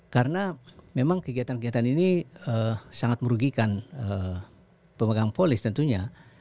karena memang kegiatan kegiatan ini sangat merugikan pemegang polis tentunya